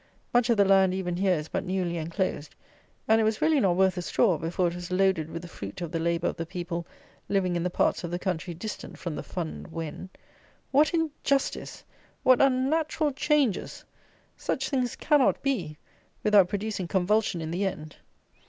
Much of the land even here is but newly enclosed; and it was really not worth a straw before it was loaded with the fruit of the labour of the people living in the parts of the country distant from the Fund Wen. What injustice! What unnatural changes! Such things cannot be, without producing convulsion in the end!